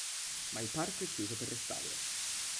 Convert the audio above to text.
Ma il parco è chiuso per restauro.